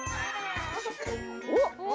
おっ！